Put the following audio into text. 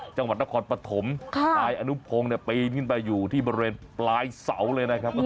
จังหวัดนครปฐมนายอนุพงศ์เนี่ยปีนขึ้นไปอยู่ที่บริเวณปลายเสาเลยนะครับ